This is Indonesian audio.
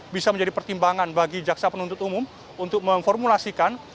bisa menjadi pertimbangan bagi jaksa penuntut umum untuk memformulasikan